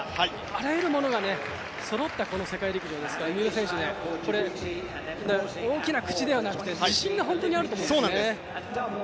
あらゆるものがそろった世界陸上ですから、三浦選手、大きな口ではなくて自信が本当にあると思うんですね。